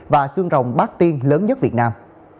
và xương rồng bát tiên lớn nhất việt nam